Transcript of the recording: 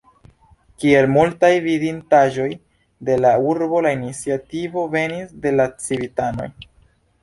Kiel multaj vidindaĵoj de la urbo la iniciativo venis de la civitanoj.